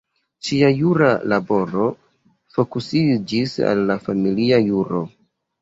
Ŝia jura laboro fokusiĝis al la familia juro.